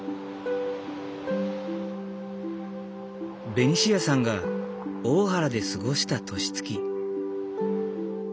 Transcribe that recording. ベニシアさんが大原で過ごした年月。